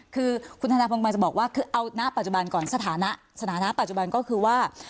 คือคุณธนพงศ์มาจะบอกว่าคือเอาหน้าปัจจุบันก่อนสถานะสถานะปัจจุบันก็คือว่า